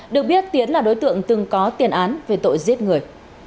được biết tiến là đối tượng từng có tiền án về tội giết người